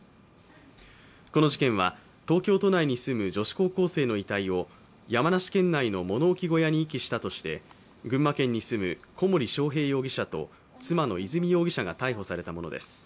この事件は、東京都内に住む女子高校生の遺体を山梨県内の物置小屋に遺棄したとして群馬県に住む小森章平容疑者と妻の和美容疑者が逮捕されたものです。